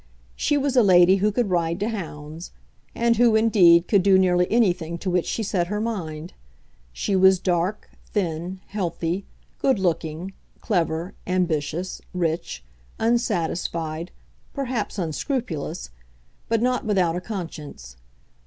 She was a lady who could ride to hounds, and who, indeed, could do nearly anything to which she set her mind. She was dark, thin, healthy, good looking, clever, ambitious, rich, unsatisfied, perhaps unscrupulous, but not without a conscience.